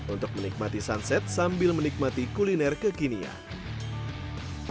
untuk menikmati sunset sambil menikmati kuliner kekinian